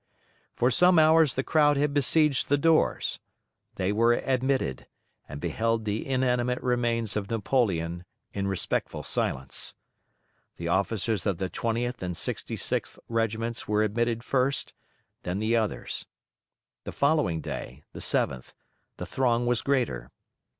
For some hours the crowd had besieged the doors; they were admitted, and beheld the inanimate remains of Napoleon in respectful silence. The officers of the 20th and 66th Regiments were admitted first, then the others. The following day (the 7th) the throng was greater.